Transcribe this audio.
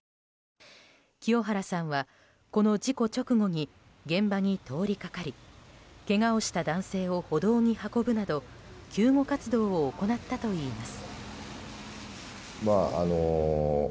清原さんは、この事故直後に現場に通りかかりけがをした男性を歩道に運ぶなど救護活動を行ったといいます。